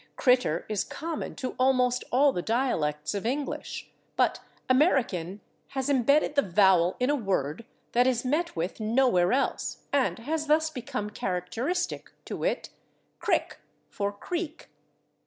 /Critter/ is common to almost all the dialects of English, but American has embedded the vowel in a word that is met with nowhere else and has thus become characteristic, to wit, /crick/ for /creek